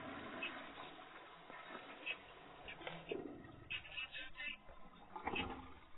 Mashambulizi ya waasi dhidi ya raia yaliendelea kwa kipindi kirefu